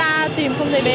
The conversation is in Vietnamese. và trợ giúp người mẹ